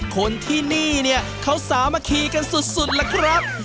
คนที่นี่เนี่ยเขาสามัคคีกันสุดล่ะครับ